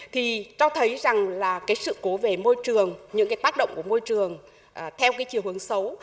thì cho thấy rằng sự cố về môi trường những tác động của môi trường theo chiều hướng xấu